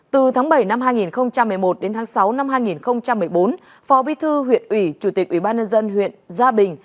từ tháng bảy năm hai nghìn một mươi một đến tháng sáu năm hai nghìn một mươi bốn phó bí thư huyện ủy chủ tịch ủy ban nhân dân huyện gia bình